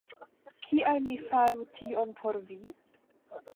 Kial mi faru tion por vi?